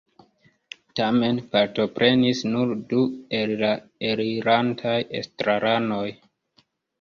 Tamen partoprenis nur du el la elirantaj estraranoj.